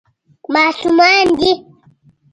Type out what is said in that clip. ماشومان دي.